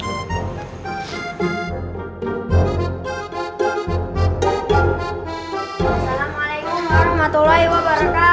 assalamualaikum warahmatullahi wabarakatuh